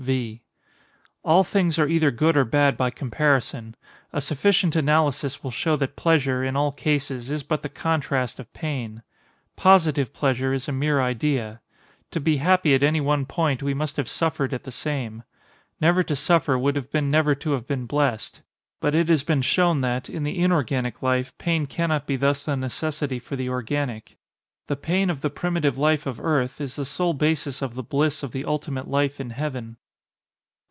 V. All things are either good or bad by comparison. A sufficient analysis will show that pleasure, in all cases, is but the contrast of pain. Positive pleasure is a mere idea. To be happy at any one point we must have suffered at the same. Never to suffer would have been never to have been blessed. But it has been shown that, in the inorganic life, pain cannot be thus the necessity for the organic. The pain of the primitive life of Earth, is the sole basis of the bliss of the ultimate life in Heaven.